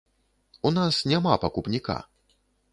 У нас няма пакупніка!